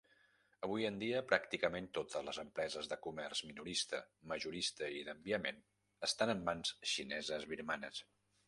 Avui en dia, pràcticament totes les empreses de comerç minorista, majorista i d'enviament estan en mans xineses birmanes.